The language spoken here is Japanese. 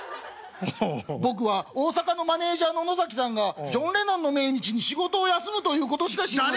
僕は大阪のマネージャーのノザキさんがジョン・レノンの命日に仕事を休むということしか知りません」。